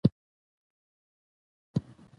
پروفیشن د دې ټولنې بل انلاین ژورنال دی.